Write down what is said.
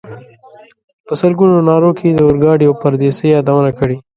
په سلګونو نارو کې یې د اورګاډي او پردیسۍ یادونه کړې.